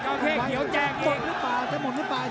จะหมดหรือเปล่าจะหมดหรือเปล่าเจ้าการเติ้ลโหสวนให้หมัด